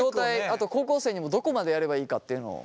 あと高校生にもどこまでやればいいかっていうのを。